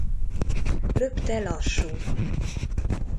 Röpte lassú.